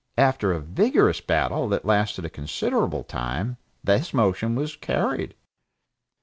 After a vigorous battle that lasted a considerable time, this motion was carried.